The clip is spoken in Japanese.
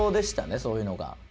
そういうのが。